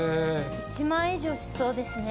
１万円以上しそうですね。